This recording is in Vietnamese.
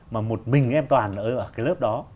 mà một mình em toàn ở cái lớp đó